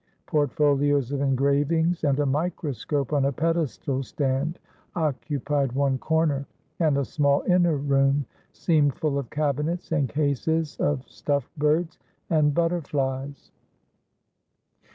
Portfolios of engravings and a microscope on a pedestal stand occupied one corner, and a small inner room seemed full of cabinets and cases of stuffed birds and butterflies.